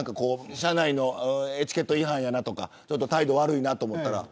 車内のエチケット違反とか態度が悪いと思ったら。